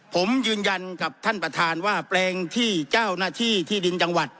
ผมยืนยันกับท่านประธานว่าแปลงที่เจ้าหน้าที่ที่ดินจังหวัด